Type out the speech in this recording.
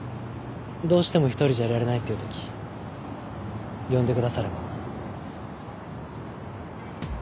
どうしても１人じゃいられないっていうとき呼んでくだされば。